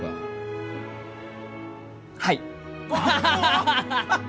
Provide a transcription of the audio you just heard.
はい。